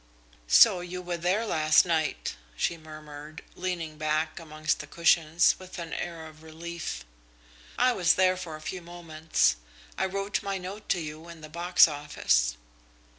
"So you were there last night?" she murmured, leaning back amongst the cushions with an air of relief. "I was there for a few moments. I wrote my note to you in the box office."